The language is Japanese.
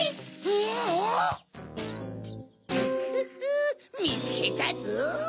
グフフみつけたぞ！